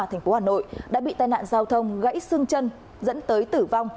thành phố hà nội đã bị tai nạn giao thông gãy xương chân dẫn tới tử vong